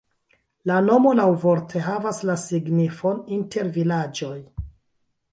La nomo laŭvorte havas la signifon: inter vilaĝoj.